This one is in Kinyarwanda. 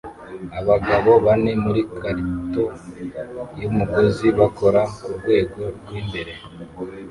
Abagabo bane muri quartet yumugozi bakora kurwego rwimbere